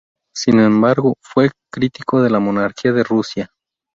Sin embargo fue crítico de la monarquía de Rusia.